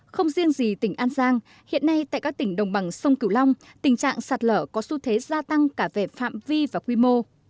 không riêng gì tỉnh an giang hiện nay tại các tỉnh đồng bằng sông cửu long tình trạng sạt lở có xu thế gia tăng cả về phạm vi và quy mô